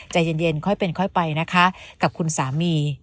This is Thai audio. ใจเย็นค่อยเป็นค่อยไปนะคะกับคุณสามี